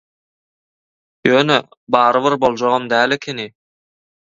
Ýöne, barybir boljagam däl ekeni.